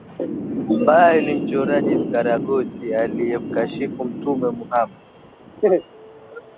ambaye ni mchoraji vikaragosi aliyemkashifu mtume mohammed